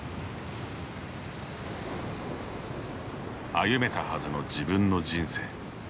歩めたはずの、自分の人生。